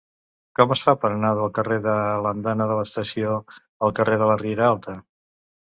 Com es fa per anar del carrer de l'Andana de l'Estació al carrer de la Riera Alta?